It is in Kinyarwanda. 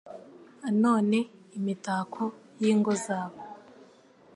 none imitako y’ingo zabo